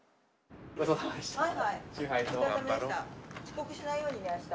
遅刻しないようにね明日。